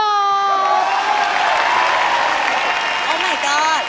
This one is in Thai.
โอ้มายก๊อด